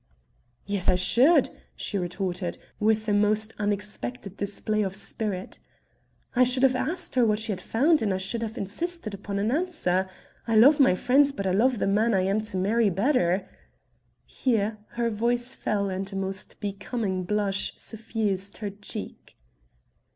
"Yes I should," she retorted, with a most unexpected display of spirit. "I should have asked her what she had found and I should have insisted upon an answer. I love my friends, but I love the man I am to marry, better." Here her voice fell and a most becoming blush suffused her cheek.